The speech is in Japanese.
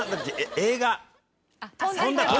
映画。